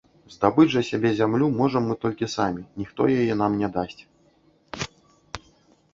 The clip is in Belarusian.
Здабыць жа сабе зямлю можам мы толькі самі, ніхто яе нам не дасць.